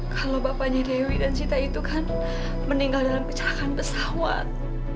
kalau bapaknya dewi dan cita itu kan meninggal dalam pecahan pesawat